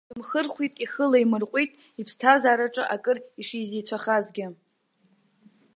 Дымхырхәеит, ихы лаимырҟәит, иԥсҭазаараҿы акыр ишизеицәахазгьы.